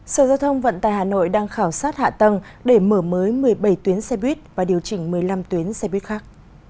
sở giao thông vận tài hà nội đang khảo sát hạ tầng để mở mới một mươi bảy tuyến xe buýt và điều chỉnh một mươi năm tuyến xe buýt khác